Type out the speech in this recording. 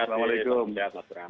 assalamualaikum wr wb